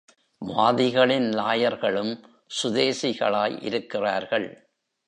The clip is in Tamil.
வாதிகளின் லாயர்களும் சுதேசிகளாய் இருக்கிறார்கள்.